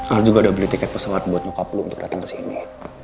al juga udah beli tiket pesawat buat nyokap lo untuk datang kesini